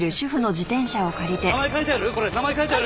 名前書いてある？